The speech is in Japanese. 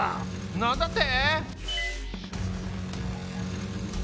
なんだって！？